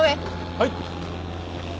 はい。